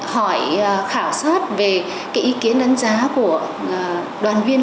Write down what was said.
hỏi khảo sát về cái ý kiến đánh giá của đoàn viên